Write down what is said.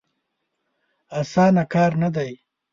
اسانه کار نه دی.